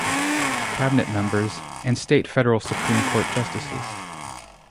Cabinet members, and state and federal Supreme Court justices.